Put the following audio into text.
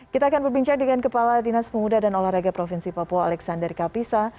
kita akan berbincang dengan kepala dinas pemuda dan olahraga provinsi papua alexander kapisa